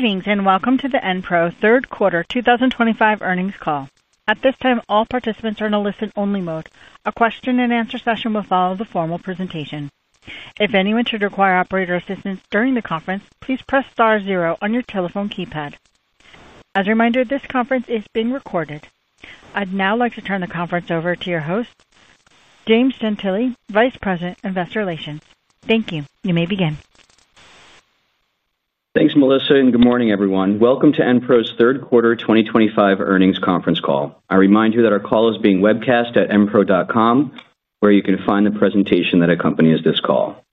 Greetings and welcome to the Enpro third quarter 2025 earnings call. At this time, all participants are in a listen-only mode. A question-and-answer session will follow the formal presentation. If anyone should require operator assistance during the conference, please press star zero on your telephone keypad. As a reminder, this conference is being recorded. I'd now like to turn the conference over to your host, James Gentile, Vice President, Investor Relations. Thank you. You may begin. Thanks, Melissa, and good morning, everyone. Welcome to Enpro's third quarter 2025 earnings conference call. I remind you that our call is being webcast at enpro.com, where you can find the presentation that accompanies this call.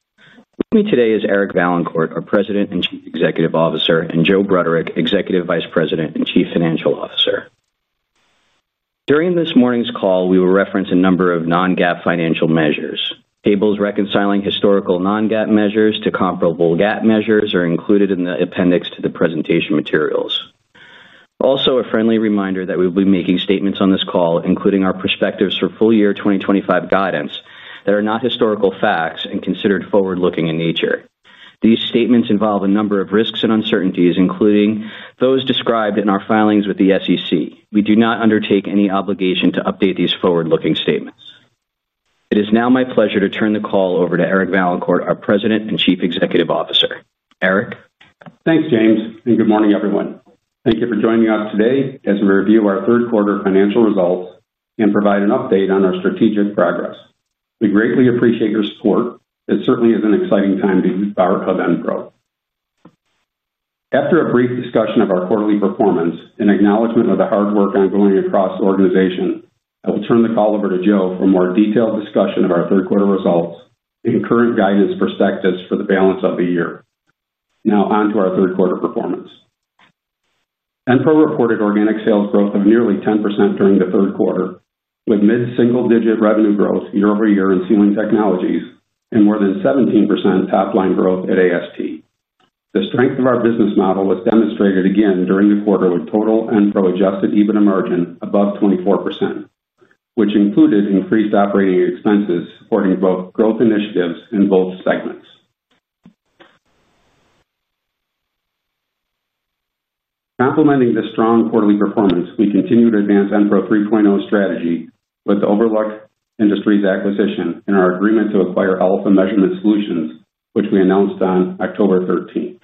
With me today is Eric Vaillancourt, our President and Chief Executive Officer, and Joe Bruderik, Executive Vice President and Chief Financial Officer. During this morning's call, we will reference a number of non-GAAP financial measures. Tables reconciling historical non-GAAP measures to comparable GAAP measures are included in the appendix to the presentation materials. Also, a friendly reminder that we will be making statements on this call, including our perspectives for full year 2025 guidance that are not historical facts and considered forward-looking in nature. These statements involve a number of risks and uncertainties, including those described in our filings with the SEC. We do not undertake any obligation to update these forward-looking statements. It is now my pleasure to turn the call over to Eric Vaillancourt, our President and Chief Executive Officer. Eric. Thanks, James, and good morning, everyone. Thank you for joining us today as we review our third quarter financial results and provide an update on our strategic progress. We greatly appreciate your support. It certainly is an exciting time to be part of Enpro. After a brief discussion of our quarterly performance and acknowledgment of the hard work ongoing across the organization, I will turn the call over to Joe for a more detailed discussion of our third quarter results and current guidance perspectives for the balance of the year. Now on to our third quarter performance. Enpro reported organic sales growth of nearly 10% during the third quarter, with mid-single digit revenue growth year-over-year in sealing technologies and more than 17% top line growth at AST. The strength of our business model was demonstrated again during the quarter with total Enpro adjusted EBITDA margin above 24%, which included increased operating expenses supporting both growth initiatives in both segments. Complementing the strong quarterly performance, we continue to advance Enpro 3.0 strategy with the Overlook Industries acquisition and our agreement to acquire Alpha Measurement Solutions, which we announced on October 13th.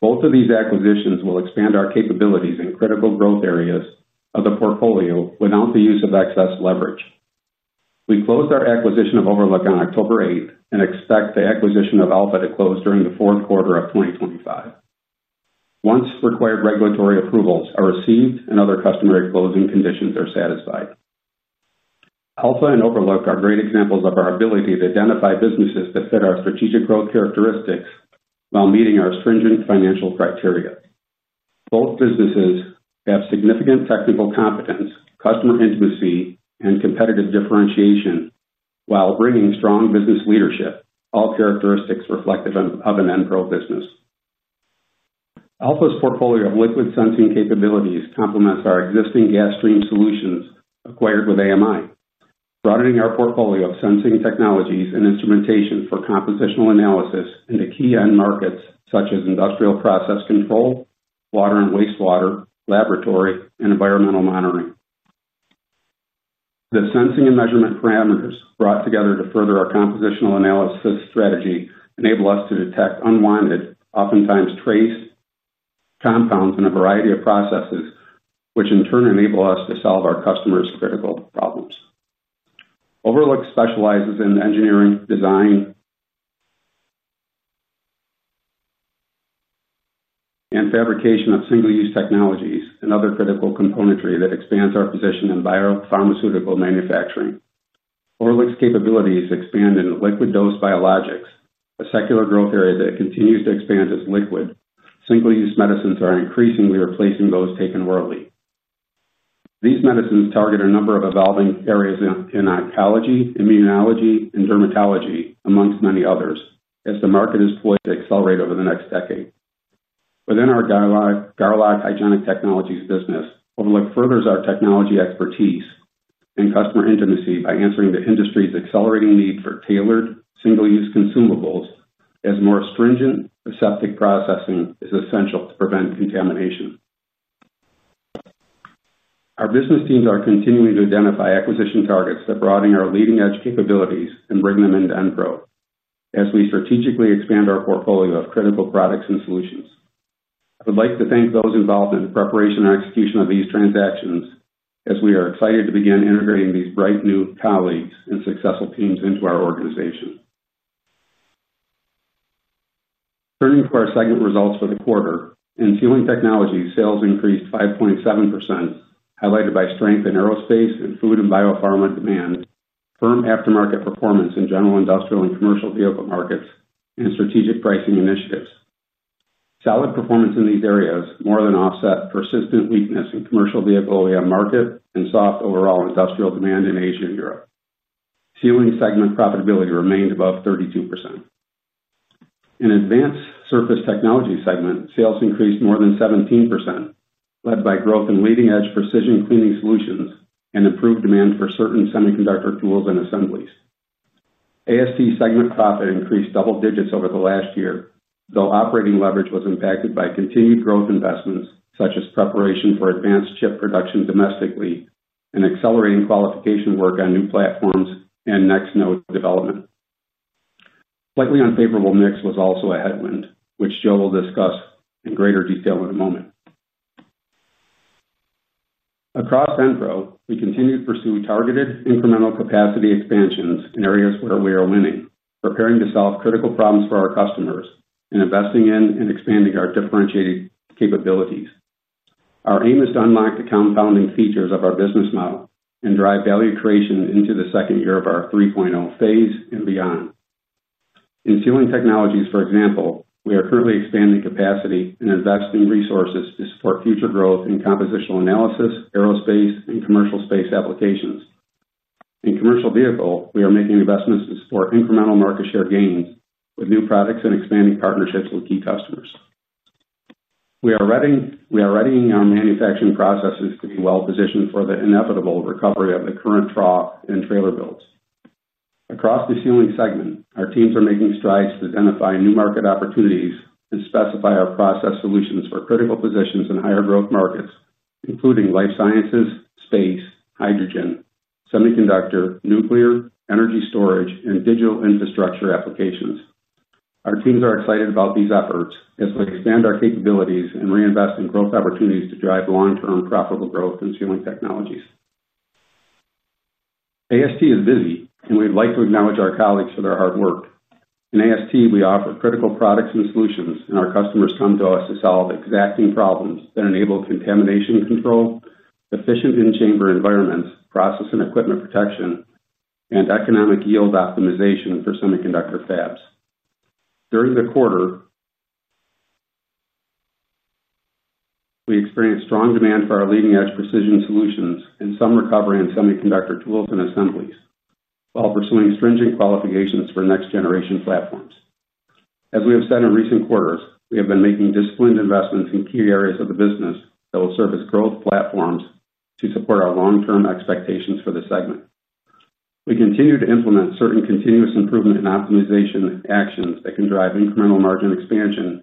Both of these acquisitions will expand our capabilities in critical growth areas of the portfolio without the use of excess leverage. We closed our acquisition of Overlook on October 8th and expect the acquisition of Alpha to close during the fourth quarter of 2025 once required regulatory approvals are received and other customary closing conditions are satisfied. Alpha and Overlook are great examples of our ability to identify businesses that fit our strategic growth characteristics while meeting our stringent financial criteria. Both businesses have significant technical competence, customer intimacy, and competitive differentiation while bringing strong business leadership, all characteristics reflective of an Enpro business. Alpha's portfolio of liquid sensing capabilities complements our existing gas stream solutions acquired with AMI, broadening our portfolio of sensing technologies and instrumentation for compositional analysis into key end markets such as industrial process control, water and wastewater, laboratory, and environmental monitoring. The sensing and measurement parameters brought together to further our compositional analysis strategy enable us to detect unwanted, oftentimes trace, compounds in a variety of processes, which in turn enable us to solve our customers' critical problems. Overlook specializes in engineering, design, and fabrication of single-use technologies and other critical componentry that expands our position in biopharmaceutical manufacturing. Overlook's capabilities expand into liquid dose biologics, a secular growth area that continues to expand as liquid single-use medicines are increasingly replacing those taken orally. These medicines target a number of evolving areas in oncology, immunology, and dermatology, amongst many others, as the market is poised to accelerate over the next decade. Within our Garlock Hygienic Technologies business, Overlook furthers our technology expertise and customer intimacy by answering the industry's accelerating need for tailored single-use consumables as more stringent aseptic processing is essential to prevent contamination. Our business teams are continuing to identify acquisition targets that broaden our leading-edge capabilities and bring them into Enpro as we strategically expand our portfolio of critical products and solutions. I would like to thank those involved in the preparation and execution of these transactions as we are excited to begin integrating these bright new colleagues and successful teams into our organization. Turning to our segment results for the quarter, in sealing technologies, sales increased 5.7%, highlighted by strength in aerospace and food and biopharma demand, firm aftermarket performance in general industrial and commercial vehicle markets, and strategic pricing initiatives. Solid performance in these areas more than offset persistent weakness in commercial vehicle OEM market and soft overall industrial demand in Asia and Europe. Sealing Segment profitability remained above 32%. In advanced surface technologies segment, sales increased more than 17%, led by growth in leading-edge precision cleaning solutions and improved demand for certain semiconductor tools and assemblies. AST segment profit increased double digits over the last year, though operating leverage was impacted by continued growth investments such as preparation for advanced chip production domestically and accelerating qualification work on new platforms and next node development. Slightly unfavorable mix was also a headwind, which Joe will discuss in greater detail in a moment. Across Enpro, we continue to pursue targeted incremental capacity expansions in areas where we are winning, preparing to solve critical problems for our customers and investing in and expanding our differentiated capabilities. Our aim is to unlock the compounding features of our business model and drive value creation into the second year of our 3.0 phase and beyond. In sealing technologies, for example, we are currently expanding capacity and investing resources to support future growth in compositional analysis, aerospace, and commercial space applications. In commercial vehicle, we are making investments to support incremental market share gains with new products and expanding partnerships with key customers. We are readying our manufacturing processes to be well-positioned for the inevitable recovery of the current truck and trailer builds. Across the Sealing Segment, our teams are making strides to identify new market opportunities and specify our process solutions for critical positions in higher growth markets, including life sciences, space, hydrogen, semiconductor, nuclear, energy storage, and digital infrastructure applications. Our teams are excited about these efforts as we expand our capabilities and reinvest in growth opportunities to drive long-term profitable growth in sealing technologies. AST is busy, and we'd like to acknowledge our colleagues for their hard work. In AST, we offer critical products and solutions, and our customers come to us to solve exacting problems that enable contamination control, efficient in-chamber environments, process and equipment protection, and economic yield optimization for semiconductor fabs. During the quarter, we experienced strong demand for our leading-edge precision solutions and some recovery in semiconductor tools and assemblies while pursuing stringent qualifications for next-generation platforms. As we have said in recent quarters, we have been making disciplined investments in key areas of the business that will serve as growth platforms to support our long-term expectations for the segment. We continue to implement certain continuous improvement and optimization actions that can drive incremental margin expansion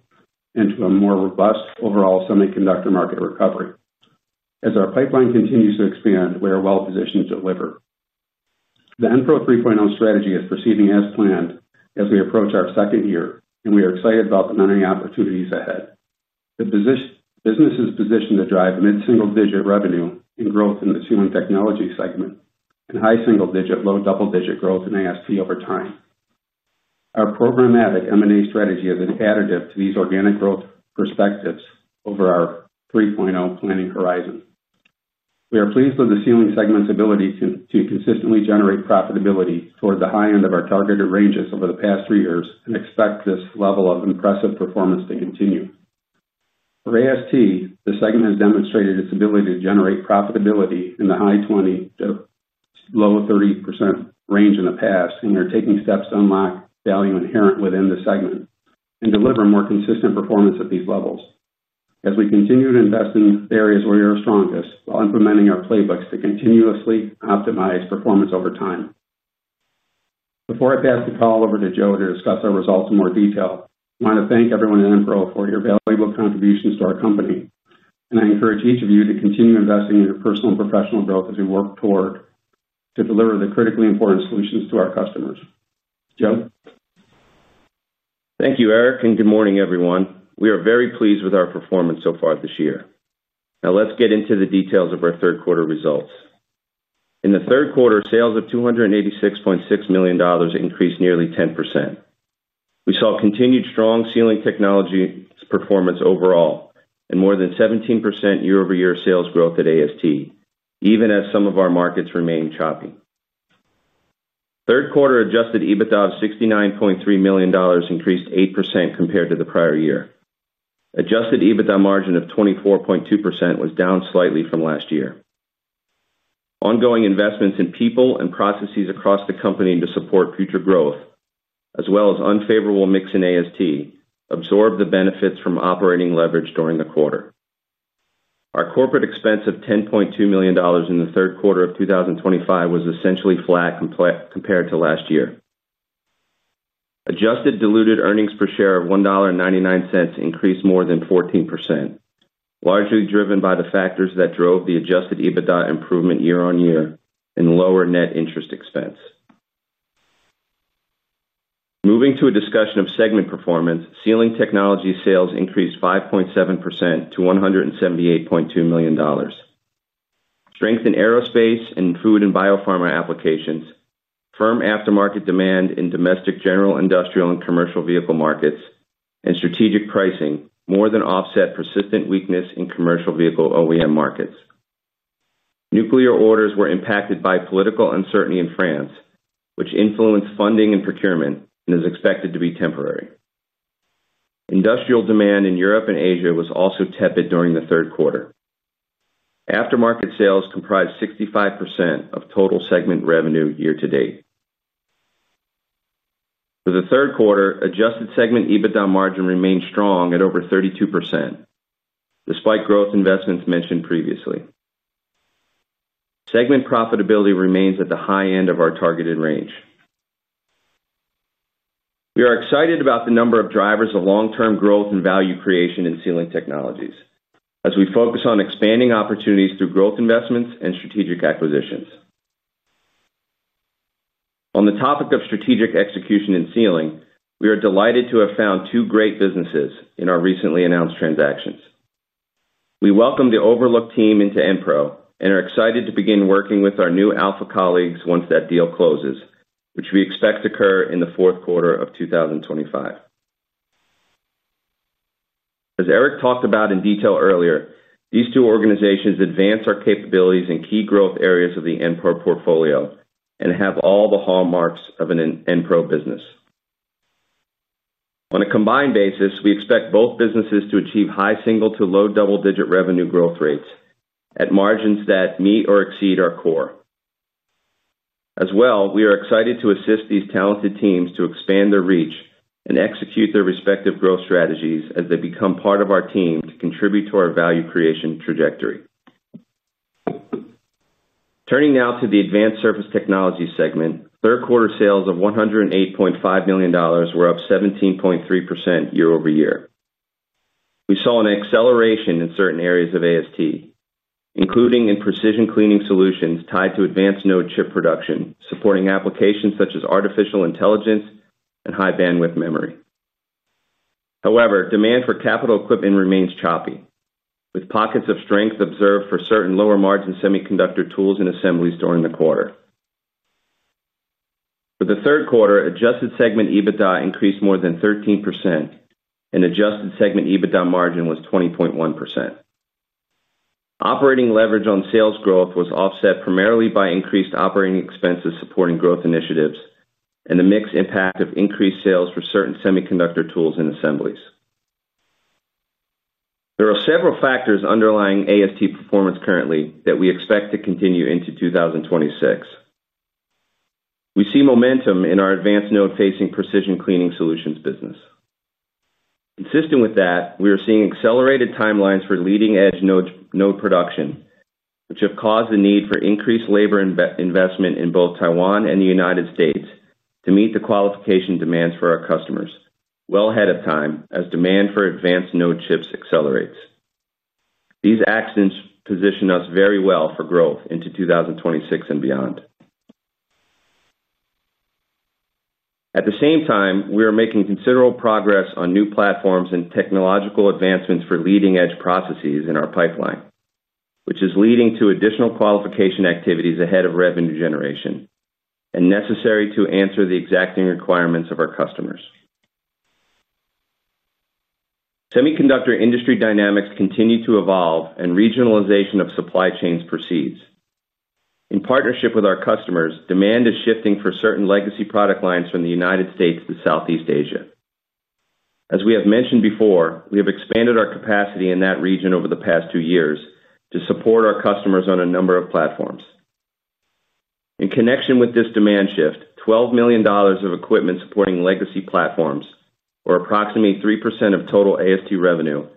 into a more robust overall semiconductor market recovery. As our pipeline continues to expand, we are well-positioned to deliver. The Enpro 3.0 strategy is proceeding as planned as we approach our second year, and we are excited about the many opportunities ahead. The business is positioned to drive mid-single digit revenue and growth in the sealing technology segment and high single digit, low double digit growth in AST over time. Our programmatic M&A strategy is an additive to these organic growth perspectives over our 3.0 planning horizon. We are pleased with the Sealing Segment's ability to consistently generate profitability toward the high end of our targeted ranges over the past three years and expect this level of impressive performance to continue. For AST, the segment has demonstrated its ability to generate profitability in the high 20% to low 30% range in the past, and we are taking steps to unlock value inherent within the segment and deliver more consistent performance at these levels. As we continue to invest in the areas where we are strongest while implementing our playbooks to continuously optimize performance over time. Before I pass the call over to Joe to discuss our results in more detail, I want to thank everyone at Enpro for your valuable contributions to our company, and I encourage each of you to continue investing in your personal and professional growth as we work toward delivering the critically important solutions to our customers. Joe. Thank you, Eric, and good morning, everyone. We are very pleased with our performance so far this year. Now let's get into the details of our third quarter results. In the third quarter, sales of $286.6 million increased nearly 10%. We saw continued strong sealing technology performance overall and more than 17% year-over-year sales growth at AST, even as some of our markets remained choppy. Third quarter adjusted EBITDA of $69.3 million increased 8% compared to the prior year. Adjusted EBITDA margin of 24.2% was down slightly from last year. Ongoing investments in people and processes across the company to support future growth, as well as unfavorable mix in AST, absorbed the benefits from operating leverage during the quarter. Our corporate expense of $10.2 million in the third quarter of 2025 was essentially flat compared to last year. Adjusted diluted earnings per share of $1.99 increased more than 14%, largely driven by the factors that drove the adjusted EBITDA improvement year-on-year and lower net interest expense. Moving to a discussion of segment performance, sealing technology sales increased 5.7% to $178.2 million. Strength in aerospace and food and biopharma applications, firm aftermarket demand in domestic general industrial and commercial vehicle markets, and strategic pricing more than offset persistent weakness in commercial vehicle OEM markets. Nuclear orders were impacted by political uncertainty in France, which influenced funding and procurement and is expected to be temporary. Industrial demand in Europe and Asia was also tepid during the third quarter. Aftermarket sales comprised 65% of total segment revenue year-to-date. For the third quarter, adjusted segment EBITDA margin remained strong at over 32% despite growth investments mentioned previously. Segment profitability remains at the high end of our targeted range. We are excited about the number of drivers of long-term growth and value creation in sealing technologies as we focus on expanding opportunities through growth investments and strategic acquisitions. On the topic of strategic execution in sealing, we are delighted to have found two great businesses in our recently announced transactions. We welcome the Overlook team into Enpro and are excited to begin working with our new Alpha colleagues once that deal closes, which we expect to occur in the fourth quarter of 2025. As Eric talked about in detail earlier, these two organizations advance our capabilities in key growth areas of the Enpro portfolio and have all the hallmarks of an Enpro business. On a combined basis, we expect both businesses to achieve high single to low double digit revenue growth rates at margins that meet or exceed our core. As well, we are excited to assist these talented teams to expand their reach and execute their respective growth strategies as they become part of our team to contribute to our value creation trajectory. Turning now to the advanced surface technologies segment, third quarter sales of $108.5 million were up 17.3% year-over-year. We saw an acceleration in certain areas of AST, including in precision cleaning solutions tied to advanced node chip production, supporting applications such as artificial intelligence and high bandwidth memory. However, demand for capital equipment remains choppy, with pockets of strength observed for certain lower margin semiconductor tools and assemblies during the quarter. For the third quarter, adjusted segment EBITDA increased more than 13% and adjusted segment EBITDA margin was 20.1%. Operating leverage on sales growth was offset primarily by increased operating expenses supporting growth initiatives and the mixed impact of increased sales for certain semiconductor tools and assemblies. There are several factors underlying AST performance currently that we expect to continue into 2026. We see momentum in our advanced node-facing precision cleaning solutions business. Consistent with that, we are seeing accelerated timelines for leading-edge node production, which have caused the need for increased labor investment in both Taiwan and the United States to meet the qualification demands for our customers well ahead of time as demand for advanced node chips accelerates. These actions position us very well for growth into 2026 and beyond. At the same time, we are making considerable progress on new platforms and technological advancements for leading-edge processes in our pipeline, which is leading to additional qualification activities ahead of revenue generation and necessary to answer the exacting requirements of our customers. Semiconductor industry dynamics continue to evolve, and regionalization of supply chains proceeds. In partnership with our customers, demand is shifting for certain legacy product lines from the United States to Southeast Asia. As we have mentioned before, we have expanded our capacity in that region over the past two years to support our customers on a number of platforms. In connection with this demand shift, $12 million of equipment supporting legacy platforms, or approximately 3% of total AST revenue,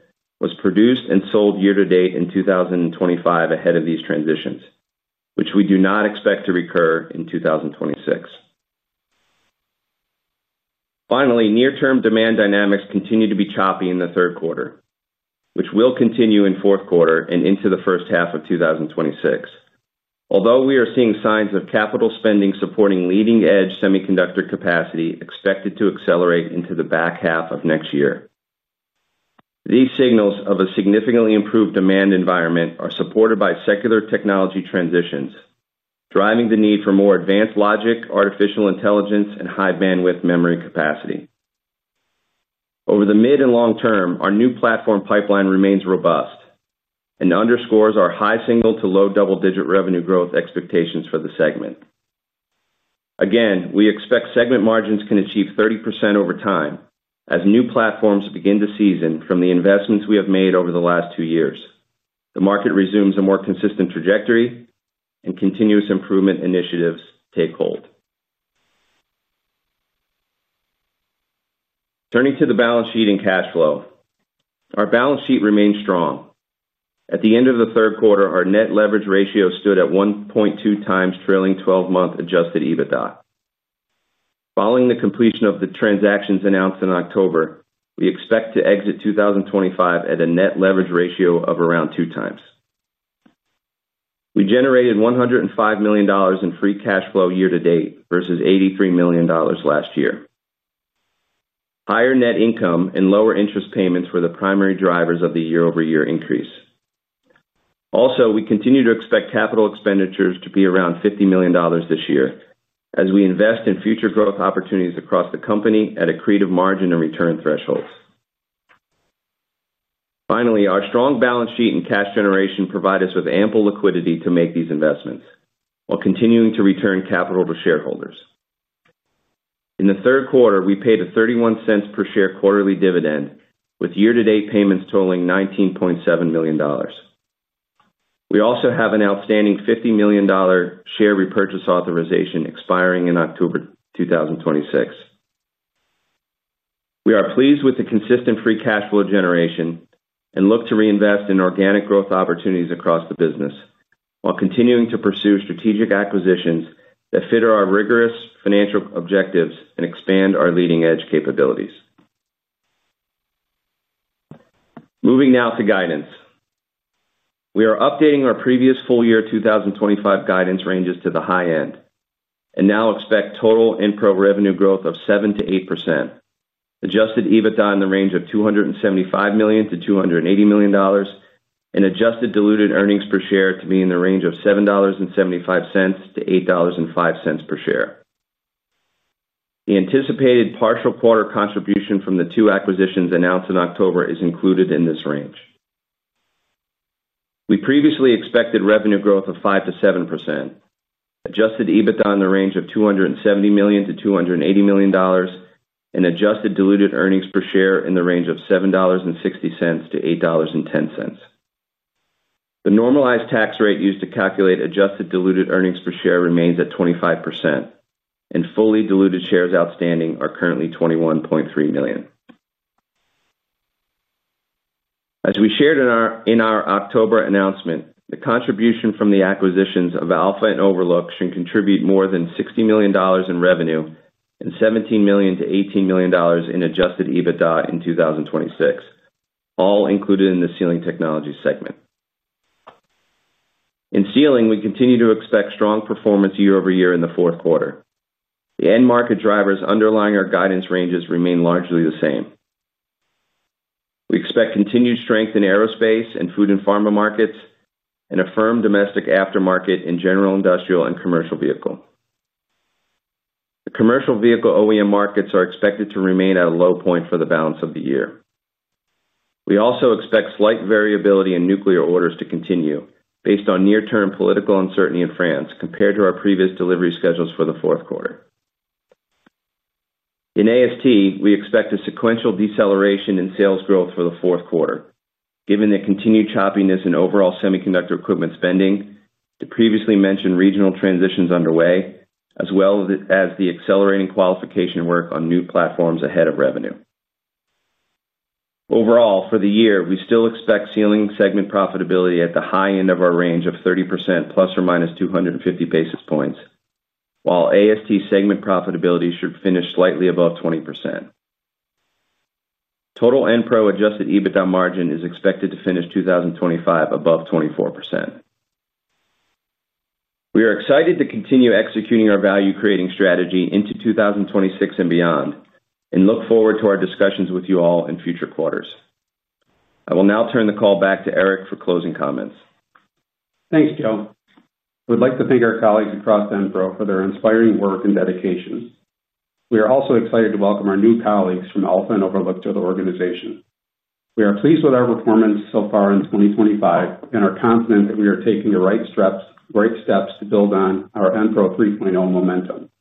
was produced and sold year-to-date in 2025 ahead of these transitions, which we do not expect to recur in 2026. Finally, near-term demand dynamics continue to be choppy in the third quarter, which will continue in fourth quarter and into the first half of 2026. Although we are seeing signs of capital spending supporting leading-edge semiconductor capacity expected to accelerate into the back half of next year. These signals of a significantly improved demand environment are supported by secular technology transitions, driving the need for more advanced logic, artificial intelligence, and high bandwidth memory capacity. Over the mid and long term, our new platform pipeline remains robust and underscores our high single to low double digit revenue growth expectations for the segment. Again, we expect segment margins can achieve 30% over time as new platforms begin to season from the investments we have made over the last two years. The market resumes a more consistent trajectory, and continuous improvement initiatives take hold. Turning to the balance sheet and cash flow, our balance sheet remains strong. At the end of the third quarter, our net leverage ratio stood at 1.2x trailing 12-month adjusted EBITDA. Following the completion of the transactions announced in October, we expect to exit 2025 at a net leverage ratio of around 2x. We generated $105 million in free cash flow year to date versus $83 million last year. Higher net income and lower interest payments were the primary drivers of the year-over-year increase. Also, we continue to expect capital expenditures to be around $50 million this year as we invest in future growth opportunities across the company at accretive margin and return thresholds. Finally, our strong balance sheet and cash generation provide us with ample liquidity to make these investments while continuing to return capital to shareholders. In the third quarter, we paid a $0.31 per share quarterly dividend, with year-to-date payments totaling $19.7 million. We also have an outstanding $50 million share repurchase authorization expiring in October 2026. We are pleased with the consistent free cash flow generation and look to reinvest in organic growth opportunities across the business while continuing to pursue strategic acquisitions that fit our rigorous financial objectives and expand our leading-edge capabilities. Moving now to guidance. We are updating our previous full year 2025 guidance ranges to the high end and now expect total Enpro revenue growth of 7%-8%, adjusted EBITDA in the range of $275 million-$280 million, and adjusted diluted earnings per share to be in the range of $7.75-$8.05 per share. The anticipated partial quarter contribution from the two acquisitions announced in October is included in this range. We previously expected revenue growth of 5%-7%, adjusted EBITDA in the range of $270 million-$280 million, and adjusted diluted earnings per share in the range of $7.60-$8.10. The normalized tax rate used to calculate adjusted diluted earnings per share remains at 25% and fully diluted shares outstanding are currently 21.3 million. As we shared in our October announcement, the contribution from the acquisitions of Alpha and Overlook should contribute more than $60 million in revenue and $17 million-$18 million in adjusted EBITDA in 2026, all included in the sealing technology segment. In sealing, we continue to expect strong performance year-over-year in the fourth quarter. The end market drivers underlying our guidance ranges remain largely the same. We expect continued strength in aerospace and food and pharma markets and a firm domestic aftermarket in general industrial and commercial vehicle. The commercial vehicle OEM markets are expected to remain at a low point for the balance of the year. We also expect slight variability in nuclear orders to continue based on near-term political uncertainty in France compared to our previous delivery schedules for the fourth quarter. In AST, we expect a sequential deceleration in sales growth for the fourth quarter, given the continued choppiness in overall semiconductor equipment spending, the previously mentioned regional transitions underway, as well as the accelerating qualification work on new platforms ahead of revenue. Overall, for the year, we still expect Sealing Segment profitability at the high end of our range of 30% ±250 basis points, while AST segment profitability should finish slightly above 20%. Total Enpro adjusted EBITDA margin is expected to finish 2025 above 24%. We are excited to continue executing our value creating strategy into 2026 and beyond and look forward to our discussions with you all in future quarters. I will now turn the call back to Eric for closing comments. Thanks, Joe. We'd like to thank our colleagues across Enpro for their inspiring work and dedication. We are also excited to welcome our new colleagues from Alpha and Overlook to the organization. We are pleased with our performance so far in 2025 and are confident that we are taking the right steps to build on our Enpro 3.0 momentum.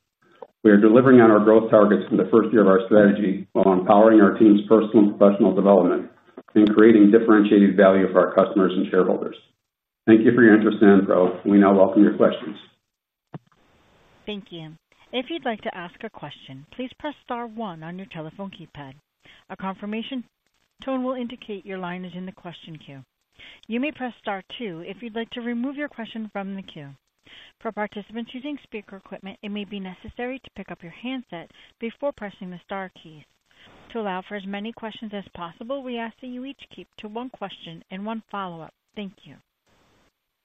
We are delivering on our growth targets in the first year of our strategy while empowering our team's personal and professional development and creating differentiated value for our customers and shareholders. Thank you for your interest in Enpro. We now welcome your questions. Thank you. If you'd like to ask a question, please press star one on your telephone keypad. A confirmation tone will indicate your line is in the question queue. You may press star two if you'd like to remove your question from the queue. For participants using speaker equipment, it may be necessary to pick up your handset before pressing the star keys. To allow for as many questions as possible, we ask that you each keep to one question and one follow-up. Thank you.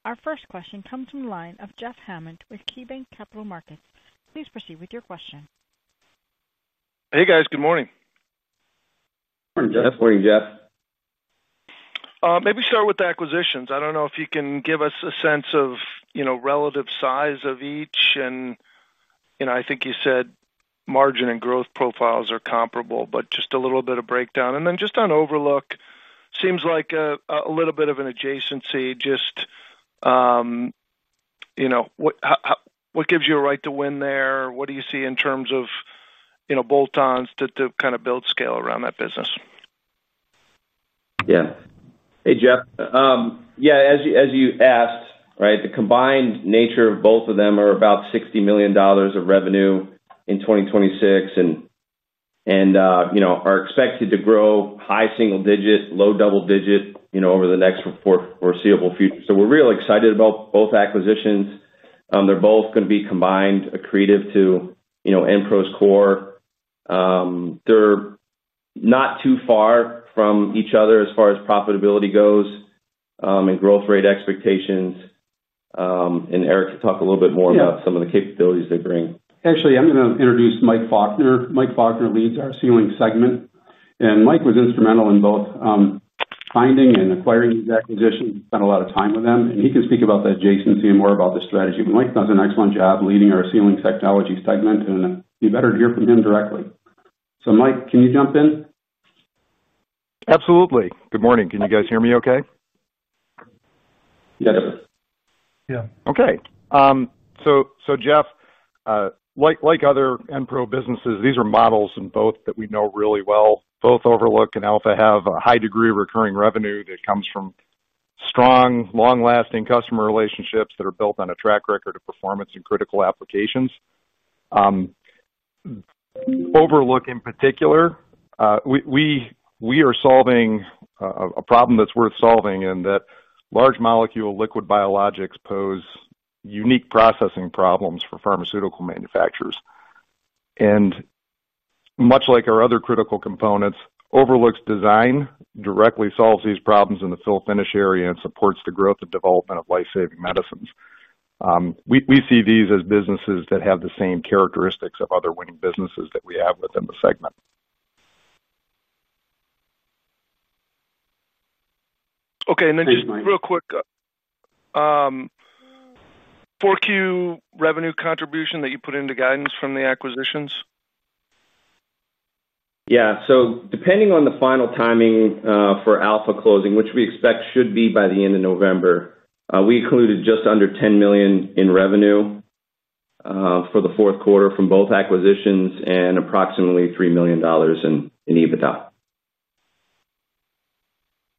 Our first question comes from the line of Jeff Hammond with KeyBanc Capital Markets. Please proceed with your question. Hey, guys. Good morning. Morning, Jeff. Morning, Jeff. Maybe start with the acquisitions. I don't know if you can give us a sense of relative size of each. And I think you said margin and growth profiles are comparable, but just a little bit of breakdown. And then just on Overlook, seems like a little bit of an adjacency. Just, what gives you a right to win there? What do you see in terms of. Bolt-ons to kind of build scale around that business? Yeah. Hey, Jeff. Yeah, as you asked, the combined nature of both of them are about $60 million of revenue in 2026 and are expected to grow high single digit, low double digit over the next foreseeable future. So we're real excited about both acquisitions. They're both going to be combined, accretive to Enpro's core. They're not too far from each other as far as profitability goes and growth rate expectations. Eric can talk a little bit more about some of the capabilities they bring. Actually, I'm going to introduce Mike Faulkner. Mike Faulkner leads our Sealing Technologies segment. Mike was instrumental in both finding and acquiring these acquisitions. We spent a lot of time with them, and he can speak about the adjacency and more about the strategy. Mike does an excellent job leading our Sealing Technologies Segment, and you better hear from him directly. Mike, can you jump in? Absolutely. Good morning. Can you guys hear me okay? Yes. Yeah. Okay. Jeff, like other Enpro businesses, these are models in both that we know really well. Both Overlook and Alpha have a high degree of recurring revenue that comes from strong, long-lasting customer relationships that are built on a track record of performance in critical applications. Overlook, in particular, we are solving a problem that's worth solving in that large molecule liquid biologics pose unique processing problems for pharmaceutical manufacturers. Much like our other critical components, Overlook's design directly solves these problems in the fill-finish area and supports the growth and development of life-saving medicines. We see these as businesses that have the same characteristics of other winning businesses that we have within the segment. Okay. And then just real quick, 4Q revenue contribution that you put into guidance from the acquisitions? Yeah. So depending on the final timing for Alpha closing, which we expect should be by the end of November, we included just under $10 million in revenue for the fourth quarter from both acquisitions and approximately $3 million in EBITDA.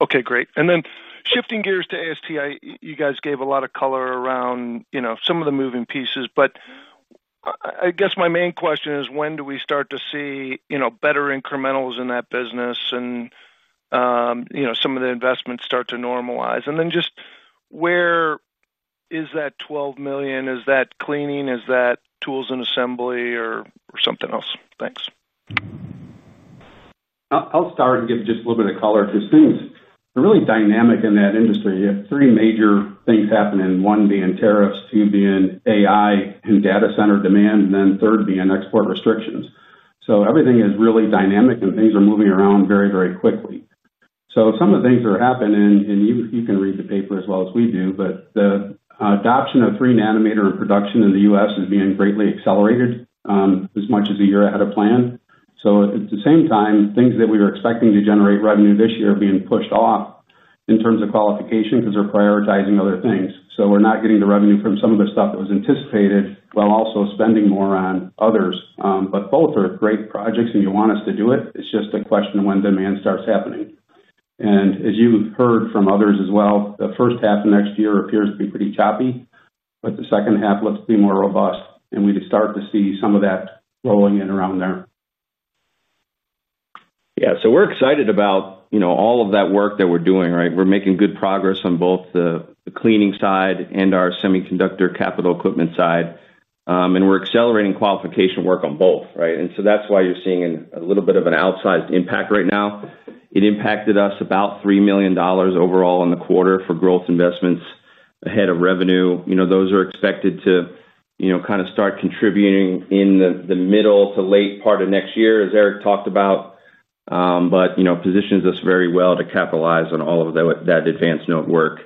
Okay. Great. And then shifting gears to AST, you guys gave a lot of color around some of the moving pieces. I guess my main question is, when do we start to see better increamentals in that business and some of the investments start to normalize? And then just where is that $12 million? Is that cleaning? Is that tools and assembly or something else? Thanks. I'll start and give just a little bit of color because things are really dynamic in that industry. You have three major things happening, one being tariffs, two being AI and data center demand, and then third being export restrictions. Everything is really dynamic, and things are moving around very, very quickly. Some of the things that are happening, and you can read the paper as well as we do, but the adoption of three nanometer in production in the U.S. is being greatly accelerated, as much as a year ahead of plan. At the same time, things that we were expecting to generate revenue this year are being pushed off in terms of qualification because they're prioritizing other things. We're not getting the revenue from some of the stuff that was anticipated while also spending more on others. Both are great projects, and you want us to do it. It's just a question of when demand starts happening. As you've heard from others as well, the first half of next year appears to be pretty choppy, but the second half looks to be more robust, and we start to see some of that rolling in around there. Yeah. We're excited about all of that work that we're doing. We're making good progress on both the cleaning side and our semiconductor capital equipment side. We're accelerating qualification work on both. That's why you're seeing a little bit of an outsized impact right now. It impacted us about $3 million overall in the quarter for growth investments ahead of revenue. Those are expected to kind of start contributing in the middle to late part of next year, as Eric talked about. That positions us very well to capitalize on all of that advanced node work.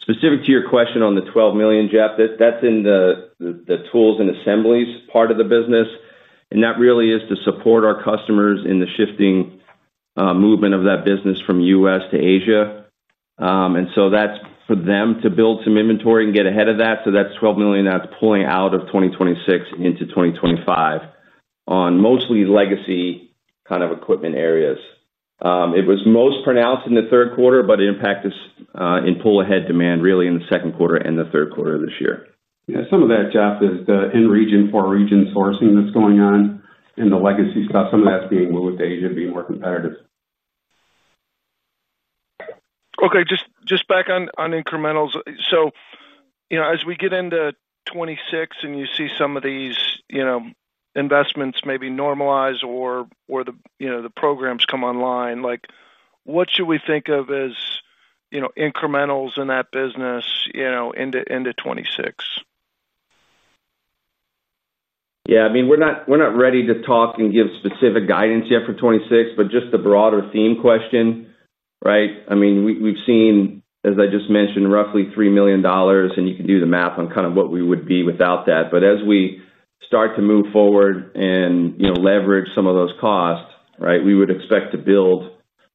Specific to your question on the $12 million, Jeff, that's in the tools and assemblies part of the business. That really is to support our customers in the shifting movement of that business from the U.S. to Asia. That's for them to build some inventory and get ahead of that. That's $12 million that's pulling out of 2026 into 2025 on mostly legacy kind of equipment areas. It was most pronounced in the third quarter, but it impacted us in pull-ahead demand really in the second quarter and the third quarter of this year. Yeah. Some of that, Jeff, is the in-region for our region sourcing that's going on and the legacy stuff. Some of that's being moved to Asia to be more competitive. Okay. Just back on increamentals. As we get into 2026 and you see some of these investments maybe normalize or the programs come online, what should we think of as increamentals in that business into 2026? Yeah. I mean, we're not ready to talk and give specific guidance yet for 2026, but just the broader theme question. I mean, we've seen, as I just mentioned, roughly $3 million, and you can do the math on kind of what we would be without that. As we start to move forward and leverage some of those costs, we would expect to build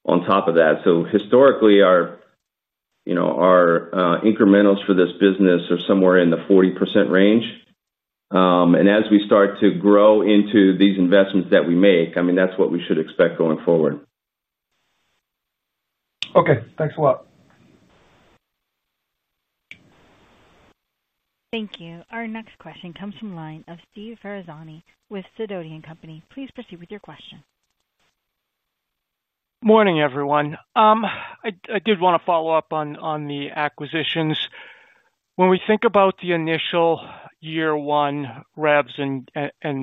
on top of that. Historically, our increamentals for this business are somewhere in the 40% range. As we start to grow into these investments that we make, I mean, that's what we should expect going forward. Okay. Thanks a lot. Thank you. Our next question comes from the line of Steve Ferazani with Sidoti & Company. Please proceed with your question. Morning, everyone. I did want to follow up on the acquisitions. When we think about the initial year-one revs and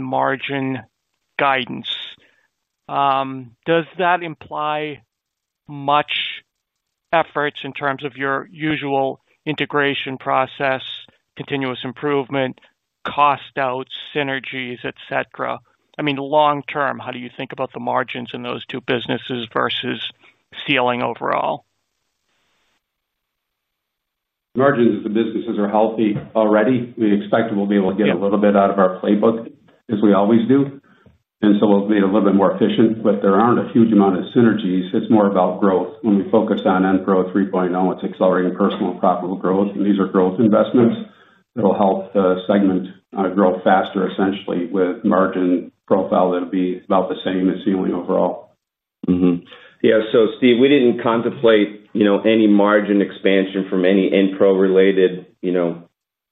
margin guidance, does that imply much efforts in terms of your usual integration process, continuous improvement, cost out, synergies, et cetera? I mean, long-term, how do you think about the margins in those two businesses versus sealing overall? Margins of the businesses are healthy already. We expect we'll be able to get a little bit out of our playbook as we always do. We'll be a little bit more efficient. There aren't a huge amount of synergies. It's more about growth. When we focus on Enpro 3.0, it's accelerating personal and profitable growth. These are growth investments that will help the segment grow faster, essentially, with margin profile that will be about the same as Sealing overall. Yeah. Steve, we didn't contemplate any margin expansion from any Enpro-related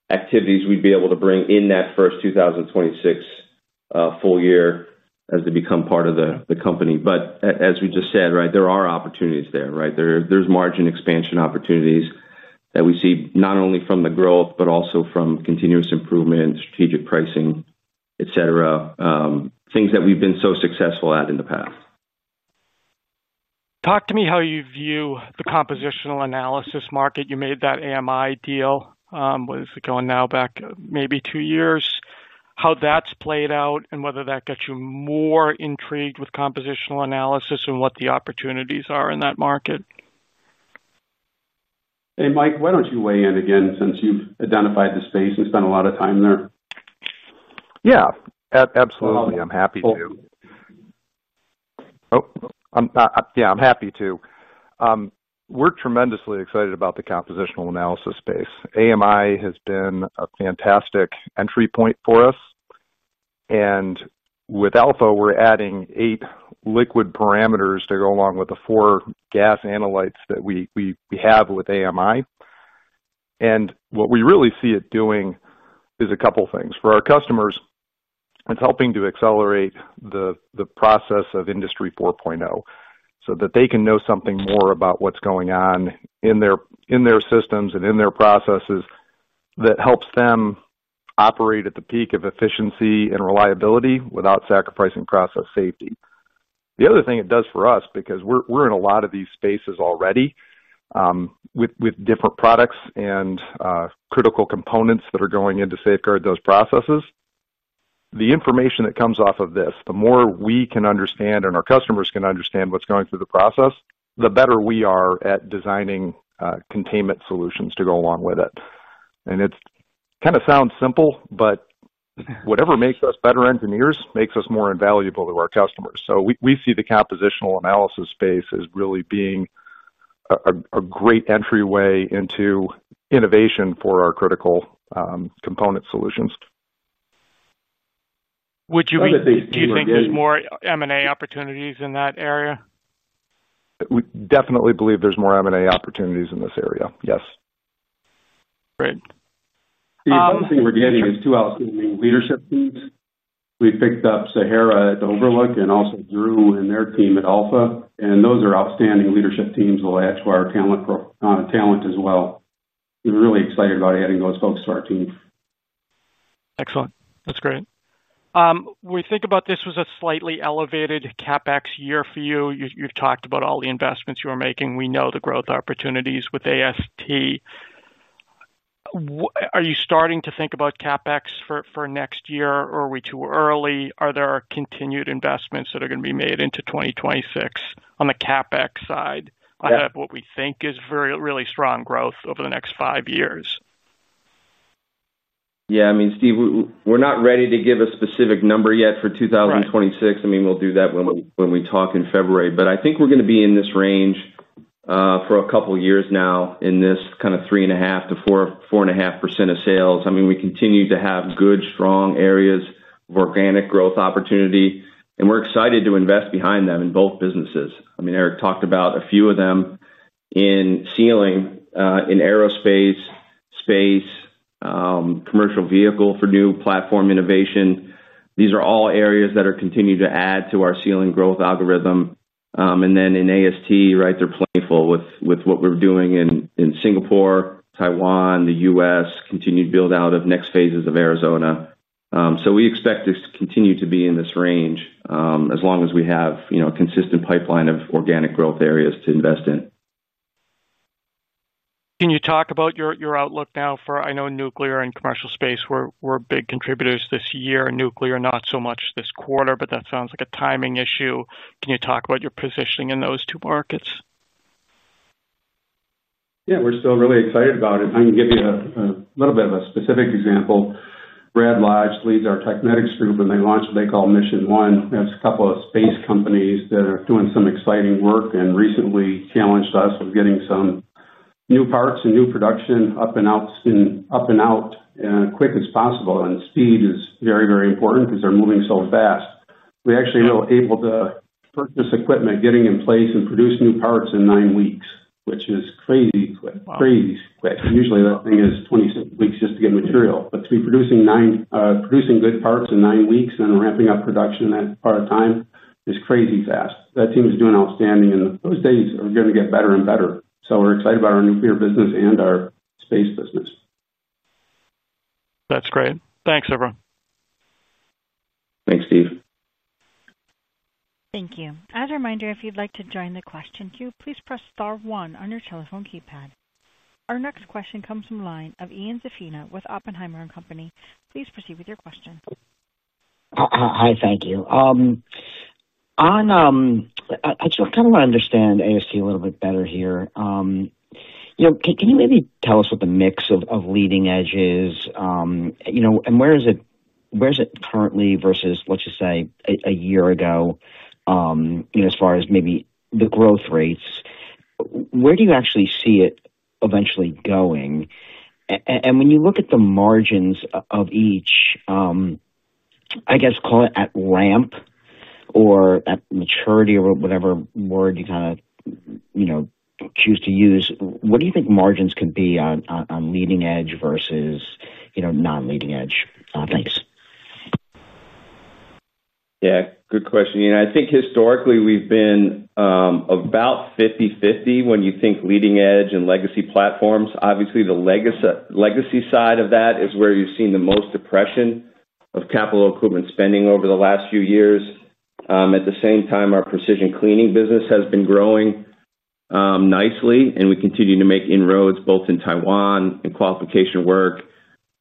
activities we'd be able to bring in that first 2026 full year as they become part of the company. As we just said, there are opportunities there. There are margin expansion opportunities that we see not only from the growth but also from continuous improvement, strategic pricing, et cetera, things that we've been so successful at in the past. Talk to me how you view the compositional analysis market you made that AMI deal. What is it going now back maybe two years? How that's played out and whether that got you more intrigued with compositional analysis and what the opportunities are in that market. Hey, Mike, why don't you weigh in again since you've identified the space and spent a lot of time there? Yeah. Absolutely. I'm happy to. We're tremendously excited about the compositional analysis space. AMI has been a fantastic entry point for us. With Alpha, we're adding eight liquid parameters to go along with the four gas analytes that we have with AMI. What we really see it doing is a couple of things. For our customers, it's helping to accelerate the process of Industry 4.0 so that they can know something more about what's going on in their systems and in their processes that helps them operate at the peak of efficiency and reliability without sacrificing process safety. The other thing it does for us, because we're in a lot of these spaces already with different products and critical components that are going in to safeguard those processes, the information that comes off of this, the more we can understand and our customers can understand what's going through the process, the better we are at designing containment solutions to go along with it. It kind of sounds simple, but whatever makes us better engineers makes us more invaluable to our customers. We see the compositional analysis space as really being a great entryway into innovation for our critical component solutions. Would you think there's more M&A opportunities in that area? We definitely believe there's more M&A opportunities in this area. Yes. Great. The opportunity we're getting is two outstanding leadership teams. We've picked up Sahara at Overlook and also Drew and their team at Alpha. Those are outstanding leadership teams that will add to our talent as well. We're really excited about adding those folks to our team. Excellent. That's great. We think about this as a slightly elevated CapEx year for you. You've talked about all the investments you are making. We know the growth opportunities with AST. Are you starting to think about CapEx for next year, or are we too early? Are there continued investments that are going to be made into 2026 on the CapEx side? I have what we think is really strong growth over the next five years. Yeah. I mean, Steve, we're not ready to give a specific number yet for 2026. I mean, we'll do that when we talk in February. But I think we're going to be in this range for a couple of years now in this kind of 3.5%-4.5% of sales. I mean, we continue to have good, strong areas of organic growth opportunity. And we're excited to invest behind them in both businesses. I mean, Eric talked about a few of them in sealing, in aerospace space. Commercial vehicle for new platform innovation. These are all areas that are continuing to add to our sealing growth algorithm. And then in AST, they're playful with what we're doing in Singapore, Taiwan, the U.S., continuing to build out of next phases of Arizona. So we expect this to continue to be in this range as long as we have a consistent pipeline of organic growth areas to invest in. Can you talk about your outlook now for, I know, nuclear and commercial space? We're big contributors this year. Nuclear, not so much this quarter, but that sounds like a timing issue. Can you talk about your positioning in those two markets? Yeah. We're still really excited about it. I can give you a little bit of a specific example. Brad Lodge leads our Technetics Group, and they launched what they call Mission One. That's a couple of space companies that are doing some exciting work and recently challenged us with getting some new parts and new production up and out quick as possible, and speed is very, very important because they're moving so fast. We actually were able to purchase equipment, getting in place and produce new parts in nine weeks, which is crazy quick. Usually, that thing is 26 weeks just to get material. But to be producing good parts in nine weeks and ramping up production that far time is crazy fast. That team is doing outstanding. And those days are going to get better and better. So we're excited about our nuclear business and our space business. That's great. Thanks, everyone. Thanks, Steve. Thank you. As a reminder, if you'd like to join the question queue, please press star one on your telephone keypad. Our next question comes from the line of Ian Zaffino with Oppenheimer & Company. Please proceed with your question. Hi. Thank you. Actually, I kind of want to understand AST a little bit better here. Can you maybe tell us what the mix of leading edge is? Where is it currently versus, let's just say, a year ago as far as maybe the growth rates? Where do you actually see it eventually going? When you look at the margins of each, I guess, call it at ramp or at maturity or whatever word you kind of choose to use, what do you think margins can be on leading edge versus non-leading edge things? Yeah, good question. I think historically, we've been about 50/50 when you think leading edge and legacy platforms. Obviously, the legacy side of that is where you've seen the most depression of capital equipment spending over the last few years. At the same time, our precision cleaning business has been growing nicely, and we continue to make inroads both in Taiwan and qualification work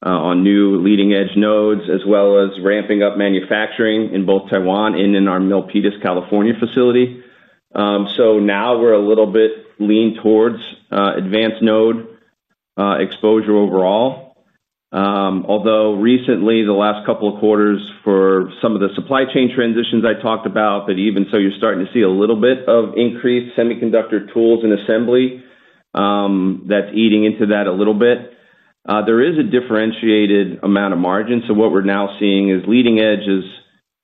on new leading edge nodes as well as ramping up manufacturing in both Taiwan and in our Milpitas, California facility. Now we're a little bit lean towards advanced node exposure overall. Although recently, the last couple of quarters for some of the supply chain transitions I talked about, even so, you're starting to see a little bit of increased semiconductor tools and assembly. That's eating into that a little bit. There is a differentiated amount of margin. What we're now seeing is leading edge,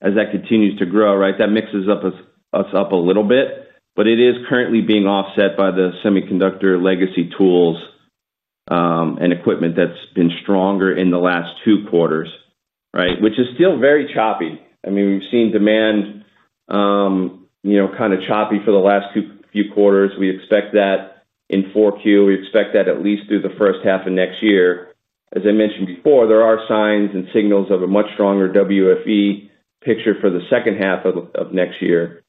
as that continues to grow, that mixes us up a little bit, but it is currently being offset by the semiconductor legacy tools and equipment that's been stronger in the last two quarters, which is still very choppy. I mean, we've seen demand kind of choppy for the last few quarters. We expect that in Q4. We expect that at least through the first half of next year. As I mentioned before, there are signs and signals of a much stronger WFE picture for the second half of next year.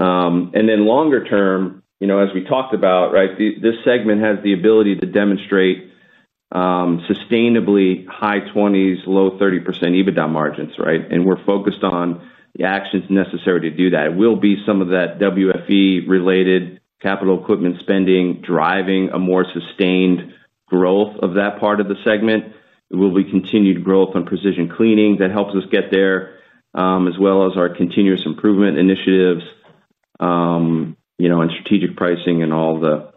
Longer term, as we talked about, this segment has the ability to demonstrate sustainably high 20s, low 30% EBITDA margins. We're focused on the actions necessary to do that. It will be some of that WFE-related capital equipment spending driving a more sustained growth of that part of the segment. It will be continued growth on precision cleaning that helps us get there as well as our continuous improvement initiatives and strategic pricing and all the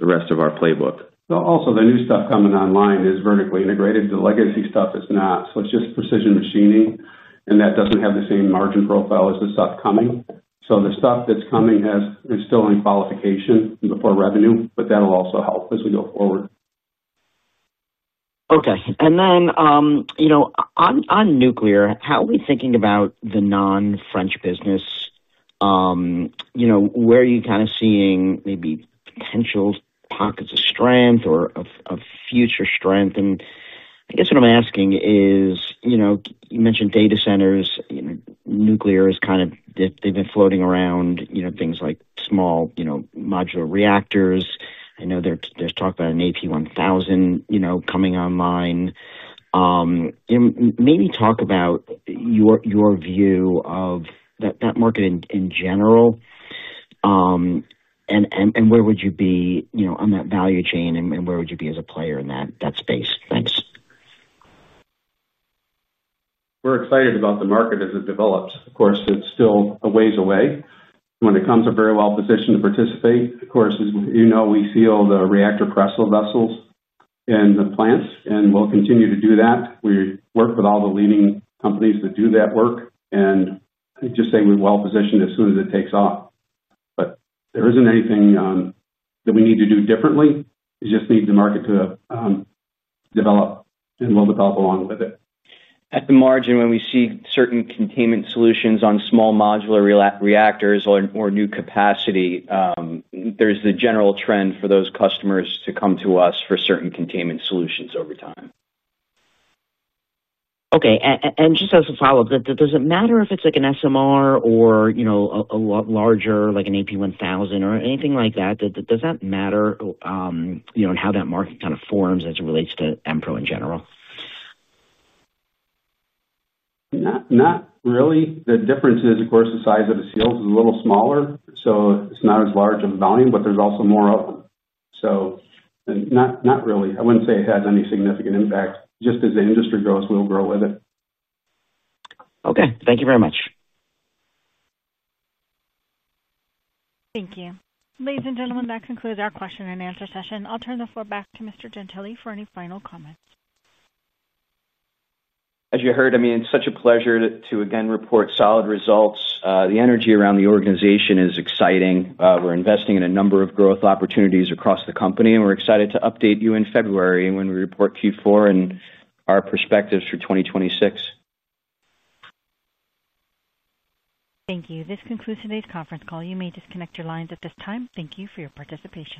rest of our playbook. Also, the new stuff coming online is vertically integrated. The legacy stuff is not, so it's just precision machining, and that doesn't have the same margin profile as the stuff coming. The stuff that's coming is still in qualification before revenue, but that'll also help as we go forward. On nuclear, how are we thinking about the non-French business? Where are you kind of seeing maybe potential pockets of strength or of future strength? I guess what I'm asking is, you mentioned data centers. Nuclear is kind of, they've been floating around things like small modular reactors. I know there's talk about an AP1000 coming online. Maybe talk about your view of that market in general. And where would you be on that value chain, and where would you be as a player in that space? Thanks. We're excited about the market as it develops. Of course, it's still a ways away. When it comes to very well-positioned to participate, of course, we feel the reactor pressure vessels and the plants, and we'll continue to do that. We work with all the leading companies that do that work, and I just say we're well-positioned as soon as it takes off. There isn't anything that we need to do differently. We just need the market to develop, and we'll develop along with it. At the margin, when we see certain containment solutions on small modular reactors or new capacity, there's the general trend for those customers to come to us for certain containment solutions over time. Okay. And just as a follow-up, does it matter if it's an SMR or a larger like an AP1000 or anything like that? Does that matter in how that market kind of forms as it relates to Enpro in general? Not really. The difference is, of course, the size of the seals is a little smaller. It's not as large of a volume, but there's also more of them. Not really. I wouldn't say it has any significant impact. Just as the industry grows, we'll grow with it. Okay. Thank you very much. Thank you. Ladies and gentlemen, that concludes our question-and-answer session. I'll turn the floor back to Mr. Gentile for any final comments. As you heard, I mean, it's such a pleasure to again report solid results. The energy around the organization is exciting. We're investing in a number of growth opportunities across the company, and we're excited to update you in February when we report Q4 and our perspectives for 2026. Thank you. This concludes today's conference call. You may disconnect your lines at this time. Thank you for your participation.